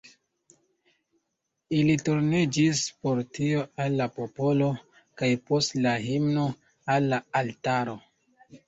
Ili turniĝis por tio al la popolo, kaj post la himno al la altaro.